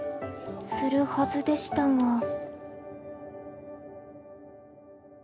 するはずでしたが。